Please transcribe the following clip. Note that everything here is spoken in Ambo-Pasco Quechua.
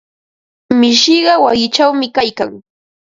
Mishiqa wayichawmi kaykan.